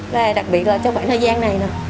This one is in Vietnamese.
và đặc biệt là trong khoảng thời gian này